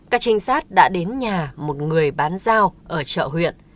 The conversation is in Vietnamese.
các trinh sát đã đến nhà một người bán dao ở chợ huyện